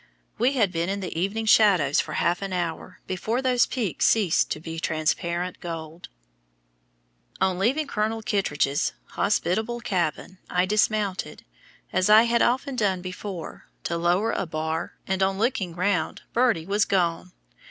We had been in the evening shadows for half an hour before those peaks ceased to be transparent gold. On leaving Colonel Kittridge's hospitable cabin I dismounted, as I had often done before, to lower a bar, and, on looking round, Birdie was gone!